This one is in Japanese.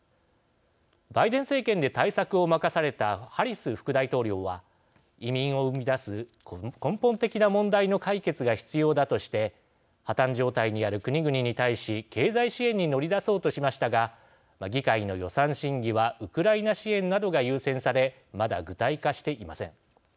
バイデン政権で対策を任されたハリス副大統領は移民を生み出す根本的な問題の解決が必要だ、として破綻状態にある国々に対し経済支援に乗り出そうとしましたが、議会の予算審議はウクライナ支援などが優先されまだ具体化していません。